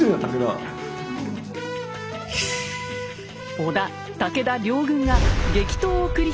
織田武田両軍が激闘を繰り広げた戦場。